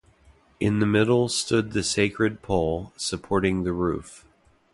In the middle stood the sacred pole, supporting the roof.